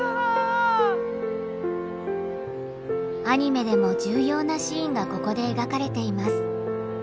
アニメでも重要なシーンがここで描かれています。